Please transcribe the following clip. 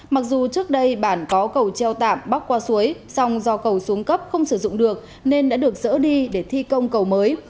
mặc dù trước đây bản có cầu treo tạm bắc qua suối song do cầu xuống cấp không sử dụng được nên đã được dỡ đi để thi công cầu mới